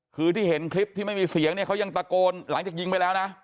คือที่เห็นคลิปที่ไม่มีเสียงเนี่ยเขายังตะโกนหลังจากยิงไปแล้วนะ